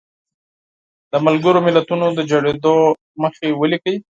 د ملګرو ملتونو د جوړېدو موخې ولیکئ.